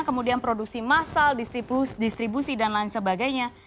kemudian produksi massal distribusi dan lain sebagainya